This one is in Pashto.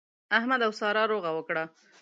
احمد او سارا روغه وکړه.